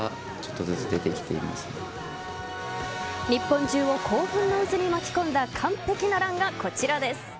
日本中を興奮の渦に巻き込んだ完璧なランがこちらです。